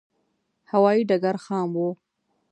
هوایې ډګر خام و.